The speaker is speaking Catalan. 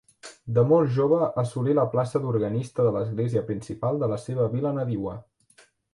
De molt jove assolí la plaça d'organista de l'església principal de la seva vila nadiua.